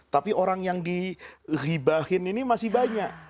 tapi orang yang dihibahin ini masih banyak